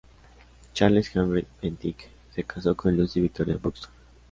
Charles Henry Bentinck se casó con Lucy Victoria Buxton.